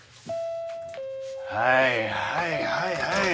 はいはいはいはい。